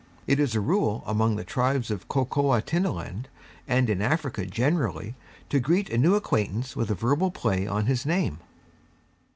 It is a rule among the tribes of Kokoatinaland, and in Africa generally, to greet a new acquaintance with a verbal play on his name.